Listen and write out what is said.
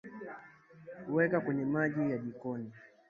Weka kwenye maji ya jikoni